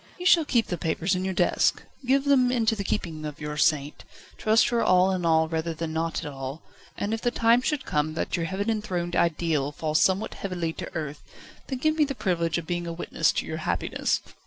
"You shall keep the papers in your desk, give them into the keeping of your saint, trust her all in all rather than not at all, and if the time should come that your heaven enthroned ideal fall somewhat heavily to earth, then give me the privilege of being a witness to your happiness."